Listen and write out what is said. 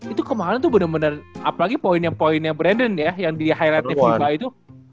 itu kemarin tuh bener bener apalagi poinnya poinnya brandon ya yang di high retive fiba itu